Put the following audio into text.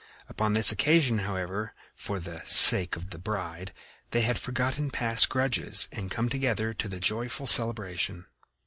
Upon this occasion, however, and for the sake of the bride, they had forgotten past grudges and come together to the joyful celebration.